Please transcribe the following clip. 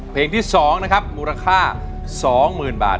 เพลงที่สองนะครับมูลค่า๒หมื่นบาท